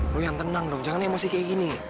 lu yang tenang dong jangan emosi kayak gini